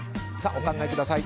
お考えください。